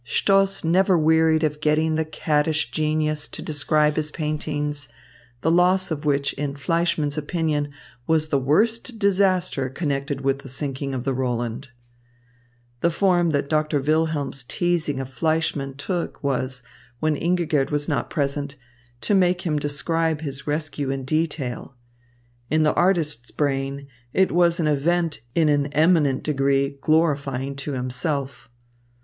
Stoss never wearied of getting the caddish genius to describe his paintings, the loss of which in Fleischmann's opinion was the worst disaster connected with the sinking of the Roland. The form that Doctor Wilhelm's teasing of Fleischmann took was, when Ingigerd was not present, to make him describe his rescue in detail. In the artist's brain, it was an event in an eminent degree glorifying to himself.